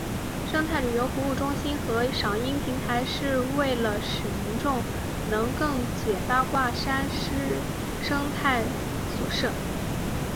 生态旅游服务中心和赏鹰平台是为了使民众能更解八卦山生态所设。